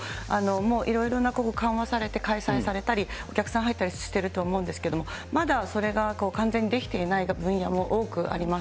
さまざまなイベントだったりとか、スポーツ現場も、もういろいろなことが緩和されて、開催されたり、お客さんは行ったりしていると思うんですけれども、まだ、それが完全にできていない分野も多くあります。